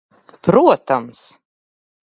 Protams.